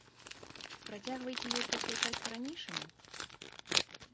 Працягваеце ёй прысвячаць па-ранейшаму?